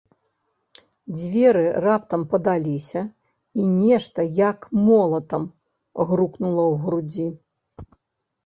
Дзверы раптам падаліся, і нешта, як молатам, грукнула ў грудзі.